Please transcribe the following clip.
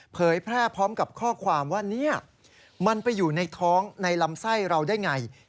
เผยแพร่พร้อมกับข้อความว่าเนี่ยมันไปอยู่ในท้องในลำไส้เราได้ไง